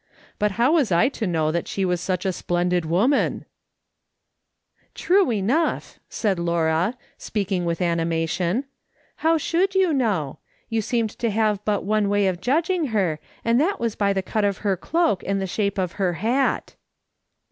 But how was I to know that she was such a splendid woman T " True enough," said Laura, speaking with anima Q2 228 MRS. SOLOMON SMITH LOOKING ON. ti.on, " how should you know ? You seemed to have but one way of judging her, and that was by the cut of her cloak and the shape of her hat."